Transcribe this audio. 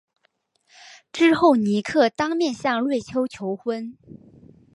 之后尼克当面向瑞秋求婚。